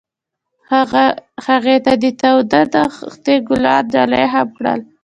هغه هغې ته د تاوده دښته ګلان ډالۍ هم کړل.